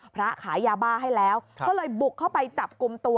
ขายยาบ้าให้แล้วก็เลยบุกเข้าไปจับกลุ่มตัว